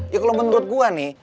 ya kalau menurut gua nih